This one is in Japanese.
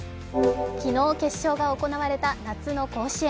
昨日、決勝が行われた夏の甲子園。